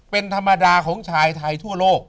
เป็นธรรมดาของชายไทยทั่วโลก